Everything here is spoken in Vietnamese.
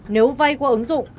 nếu vay qua ứng dụng